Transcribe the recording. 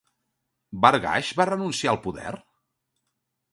Barghash va renunciar al poder?